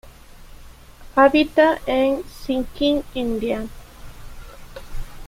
Habita en Sikkim, India.